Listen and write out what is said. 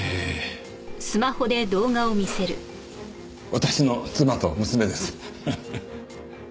私の妻と娘です。